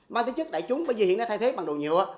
mang tính chất đại chúng bởi vì hiện nay thay thế bằng đồ nhựa